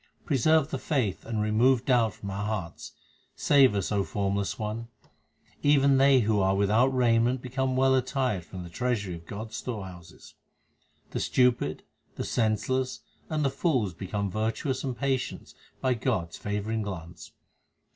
Preserve the faith and remove doubt from our hearts ; save us, O Formless One ! HYMNS OF GURU ARJAN 337 Even they who are without raiment become well attired from the treasury of God s storehouses. The stupid, the senseless, and the fools become virtuous and patient by God s favouring glance.